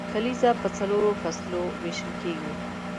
کلیزه په څلورو فصلو ویشل کیږي.